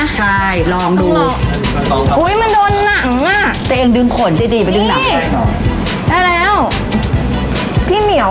ใช่